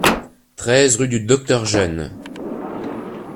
treize rue du Docteur Jeune